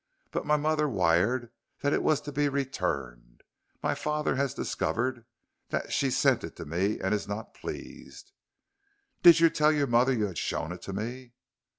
"But my mother wired that it was to be returned. My father has discovered that she sent it to me and is not pleased." "Did you tell your mother you had shown it to me?"